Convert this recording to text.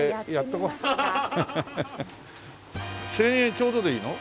ちょうどでいいの？